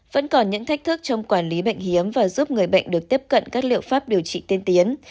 vẫn còn những thách thức trong quản lý bệnh hiếm và giúp người bệnh được tiếp cận các liệu pháp điều trị tiên tiến